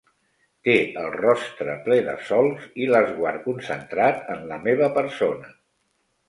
Té el rostre ple de solcs i l'esguard concentrat en la meva persona.